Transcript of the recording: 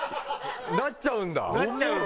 なっちゃうんだ。